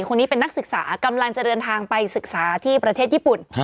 คนนี้เป็นนักศึกษากำลังจะเดินทางไปศึกษาที่ประเทศญี่ปุ่น